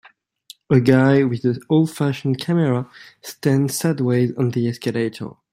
A guy with an oldfashioned camera stands sideways on escalator.